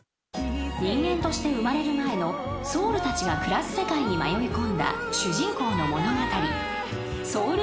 ［人間として生まれる前のソウルたちが暮らす世界に迷い込んだ主人公の物語］